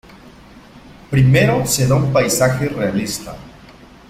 Primero se da un paisaje realista.